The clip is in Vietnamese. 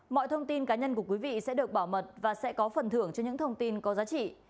mọi thông tin cá nhân của quý vị sẽ được bảo mật và sẽ có phần thưởng cho những thông tin có giá trị